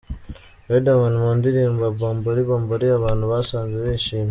Riderman mu ndirimbo Bombori Bombori abantu basaze bishimye !.